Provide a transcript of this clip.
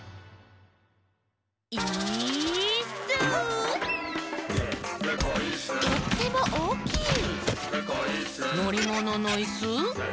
「イーッス」「とってもおおきい」「のりもののイス？」